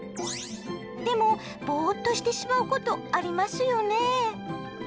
でもボーっとしてしまうことありますよね？